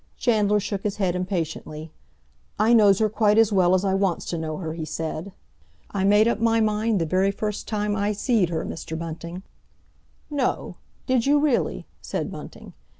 Chandler shook his head impatiently. "I knows her quite as well as I wants to know her," he said. "I made up my mind the very first time I see'd her, Mr. Bunting." "No! Did you really?" said Bunting.